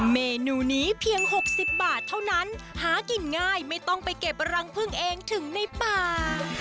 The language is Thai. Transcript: เมนูนี้เพียง๖๐บาทเท่านั้นหากินง่ายไม่ต้องไปเก็บรังพึ่งเองถึงในป่า